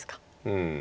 うん。